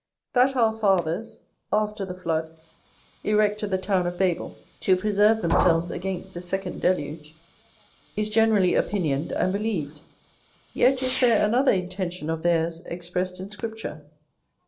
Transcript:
That our fathers, after the flood, erected the tower of Babel, to preserve themselves against a second deluge, is generally opinioned and believed; yet is there another intention of theirs expressed in Scripture.